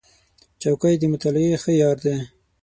چوکۍ د مطالعې ښه یار دی.